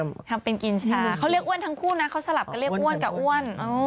ทำเป็นกินชาเขาเรียกอ้วนทั้งคู่นะเขาสลับกันเรียกอ้วนกับอ้วน